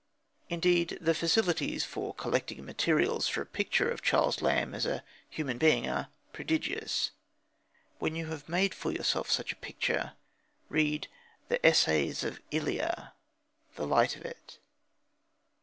Indeed, the facilities for collecting materials for a picture of Charles Lamb as a human being are prodigious. When you have made for yourself such a picture, read the Essays of Elia the light of it.